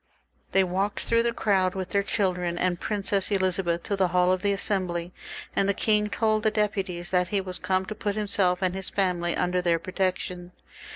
They walked through the crowd with their children and Princess Elizabeth to the haU of the Assembly, and the king told the deputies that he was come to put himself and his family under their protection.